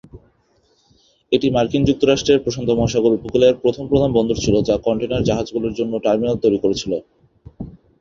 এটি মার্কিন যুক্তরাষ্ট্রের প্রশান্ত মহাসাগর উপকূলের প্রথম প্রধান বন্দর ছিল যা কন্টেইনার জাহাজগুলির জন্য টার্মিনাল তৈরি করেছিল।